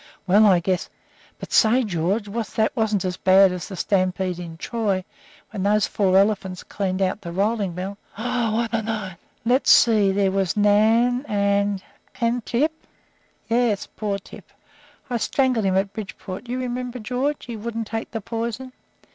Well I guess. But, say, George, that wasn't as bad as the stampede in Troy, when those four elephants cleaned out the rolling mill. Oh, what a night! Let's see. There was Nan and " "And Tip." "Yes, poor old Tip. I strangled him at Bridgeport. You remember, George, he wouldn't take the poison.